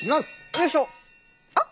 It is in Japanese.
よいしょっ。